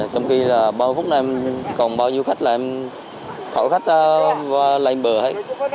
trong khi là ba mươi phút này em còn bao nhiêu khách là em khỏi khách lên bờ hết